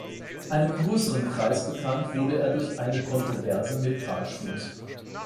Einem größeren Kreis bekannt wurde er durch eine Kontroverse mit Carl Schmitt.